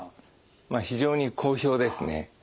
まあ非常に好評ですね。